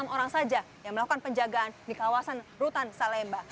enam orang saja yang melakukan penjagaan di kawasan rutan salemba